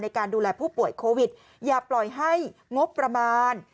ในการดูแลผู้ป่วยโควิดอย่าปล่อยให้งบประมาณ